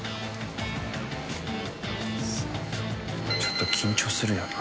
ちょっと緊張するよな。